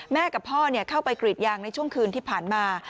กับพ่อเข้าไปกรีดยางในช่วงคืนที่ผ่านมา